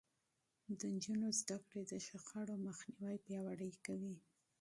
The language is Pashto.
د نجونو تعليم د شخړو مخنيوی پياوړی کوي.